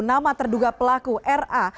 nama terduga pelaku ra